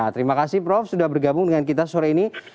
terima kasih prof sudah bergabung dengan kita sore ini